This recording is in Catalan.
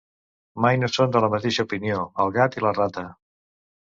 Mai no són de la mateixa opinió, el gat i la rata.